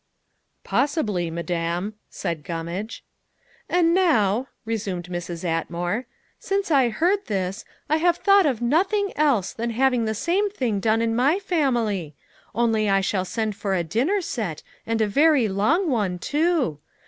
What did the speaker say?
"Possibly, madam," said Gummage. "And now," resumed Mrs. Atmore, "since I heard this, I have thought of nothing else than having the same thing done in my family; only I shall send for a dinner set, and a very long one, too.